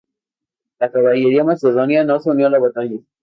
La caballería macedonia no se unió a la batalla.